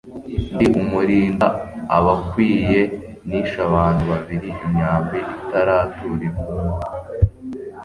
Ndi umulinda abikwiye, Nishe abantu babili imyambi itaratura impumu.